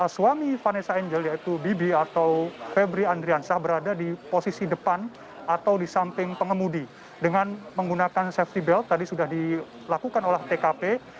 suami vanessa angel yaitu bibi atau febri andriansah berada di posisi depan atau di samping pengemudi dengan menggunakan safety belt tadi sudah dilakukan olah tkp